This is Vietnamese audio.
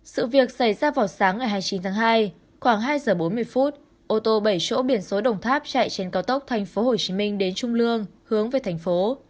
sự việc xảy ra vào sáng ngày hai mươi chín tháng hai khoảng hai giờ bốn mươi ô tô bảy chỗ biển số đồng tháp chạy trên cao tốc tp hcm đến trung lương hướng về thành phố